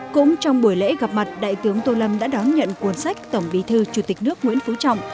cũng trong buổi lễ gặp mặt đại tướng tô lâm đã đón nhận cuốn sách tổng bí thư chủ tịch nước nguyễn phú trọng